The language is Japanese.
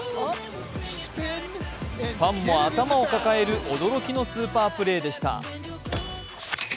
ファンも頭を抱える驚きのスーパープレーでした。